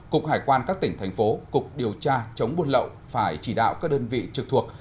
cục hải quan các tỉnh thành phố cục điều tra chống buôn lậu phải chỉ đạo các đơn vị trực thuộc